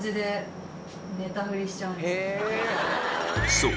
そう！